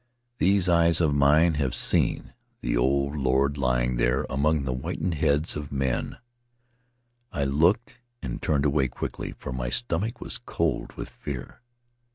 ... These eyes of mine have seen the Old Lord lying there among the whitened heads of men — I looked and turned away quickly, for my stomach was cold with fear.